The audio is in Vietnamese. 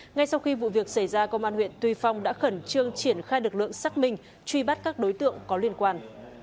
ngay sau khi vụ việc xảy ra công an huyện tuy phong đã khẩn trương triển khai lực lượng xác minh truy bắt các đối tượng có liên quan